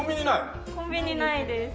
コンビニないです。